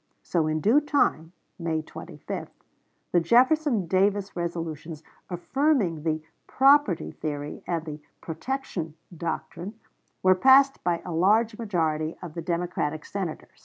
So in due time (May 25) the Jefferson Davis resolutions, affirming the "property" theory and the "protection" doctrine, were passed by a large majority of the Democratic Senators.